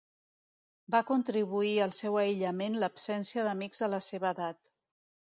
Va contribuir al seu aïllament l'absència d'amics de la seva edat.